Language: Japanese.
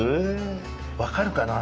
分かるかな。